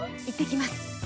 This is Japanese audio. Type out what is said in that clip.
いってきます。